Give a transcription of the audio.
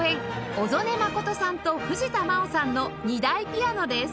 小曽根真さんと藤田真央さんの２台ピアノです